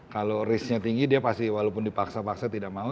kalau risknya tinggi dia pasti walaupun dipaksa paksa tidak mau